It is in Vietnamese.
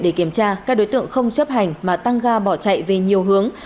để kiểm tra các đối tượng không chấp hành mà tăng ga bỏ chạy về nhiều hướng